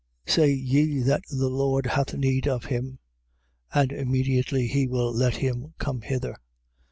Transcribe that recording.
Say ye that the Lord hath need of him. And immediately he will let him come hither.